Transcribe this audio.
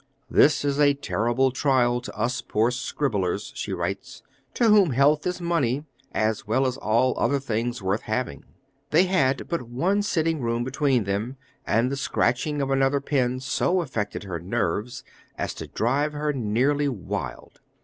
"This is a terrible trial to us poor scribblers," she writes, "to whom health is money, as well as all other things worth having." They had but one sitting room between them, and the scratching of another pen so affected her nerves, as to drive her nearly wild.